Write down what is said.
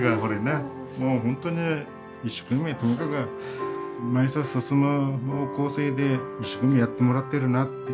もう本当に一生懸命とにかく前さ進む方向性で一生懸命やってもらってるなって。